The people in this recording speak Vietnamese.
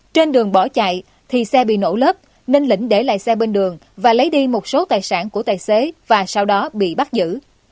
trên đường bỏ chạy thì xe bị nổ lớp nên lĩnh để lại xe bên đường và lấy đi một số tài sản của tài xế và sau đó bị bắt giữ